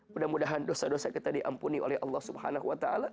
mudah mudahan dosa dosa kita diampuni oleh allah swt